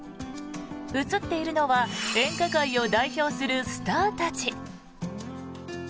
写っているのは演歌界を代表するスターたち。